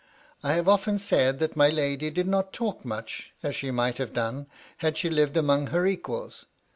1 have often said that my lady did not talk much, as she might have done had she lived among her equals.